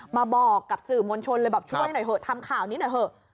มาบอกกับสื่อมวลชนเลยบอกช่วยหน่อยเถอะทำข่าวนี้หน่อยเถอะ